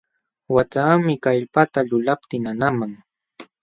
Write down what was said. Waqtaami kallpata lulaptii nanaman.